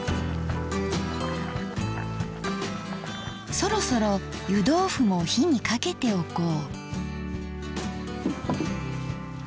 そろそろ湯どうふも火にかけておこう。